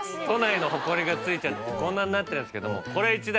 都内のホコリが付いちゃってこんなになってるんですけど。